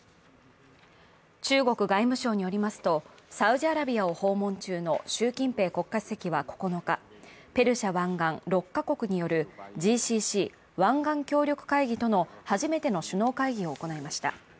中国外務省によりますと、サウジアラビアを訪問中の習近平国家主席は９日、ペルシャ湾岸６か国によるＧＣＣ＝湾岸協力会議との初めての首脳会議を行いました。